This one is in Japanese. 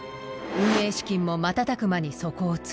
運営資金も瞬く間に底をついた。